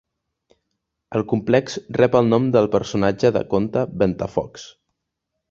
El complex rep el seu nom del personatge de conte Ventafocs.